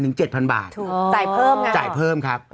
ถูกจ่ายเพิ่มนะจ่ายเพิ่มครับ